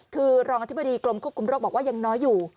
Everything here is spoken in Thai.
คือรองอธิบดีกรมควบคุมโรคบอกว่ายังน้อยอยู่